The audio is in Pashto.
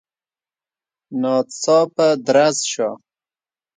ناڅاپه درز شو.